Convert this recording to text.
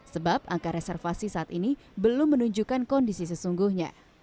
sebab angka reservasi saat ini belum menunjukkan kondisi sesungguhnya